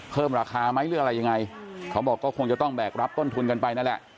เพิ่มราคาไหมหรืออะไรยังไงเขาบอกก็คงจะต้องแบกรับต้นทุนกันไปนั่นแหละ